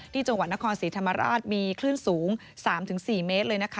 ที่จังหวัดนครศรีธรรมราชมีคลื่นสูง๓๔เมตรเลยนะคะ